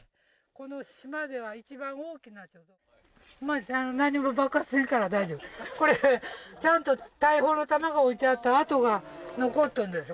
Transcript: この島では一番大きな前行って何も爆発せんから大丈夫これちゃんと大砲の弾が置いてあった跡が残っとんですよ